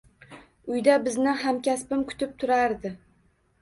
Uyda bizni hamkasbim kutib turardi